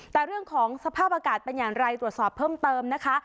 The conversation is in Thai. แต่เรื่องของสภาพอากาศเป็นอย่างไรตรวจสอบเพิ่มเติมนะคะ